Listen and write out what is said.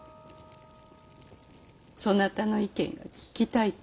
そなたの意見が聞きたいと。